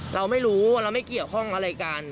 เราไม่รู้ว่าเราไม่เกี่ยวข้องอะไรกัน